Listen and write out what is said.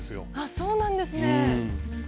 そうなんですね！